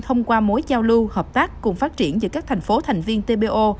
thông qua mối giao lưu hợp tác cùng phát triển giữa các thành phố thành viên tpo